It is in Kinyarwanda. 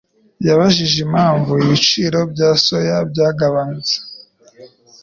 yibajije impamvu ibiciro bya soya byagabanutse.